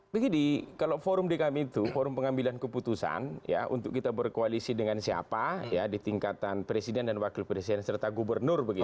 begini kalau forum di kami itu forum pengambilan keputusan ya untuk kita berkoalisi dengan siapa ya di tingkatan presiden dan wakil presiden serta gubernur begitu